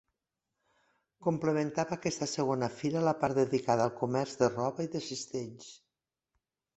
Complementava aquesta segona fira la part dedicada al comerç de roba i de cistells.